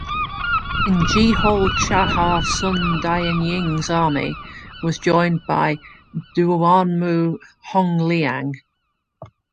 In Jehol-Chahar Sun Dianying's army was joined by Duanmu Hongliang.